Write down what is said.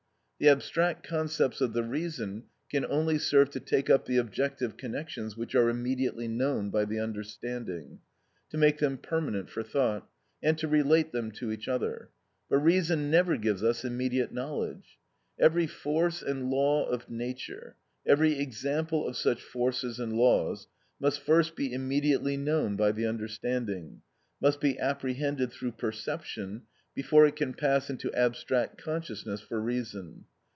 The abstract concepts of the reason can only serve to take up the objective connections which are immediately known by the understanding, to make them permanent for thought, and to relate them to each other; but reason never gives us immediate knowledge. Every force and law of nature, every example of such forces and laws, must first be immediately known by the understanding, must be apprehended through perception before it can pass into abstract consciousness for reason.